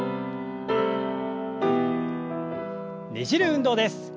ねじる運動です。